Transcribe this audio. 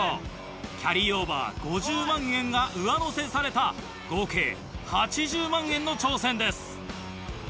キャリーオーバー５０万円が上乗せされた合計８０万円の挑戦です。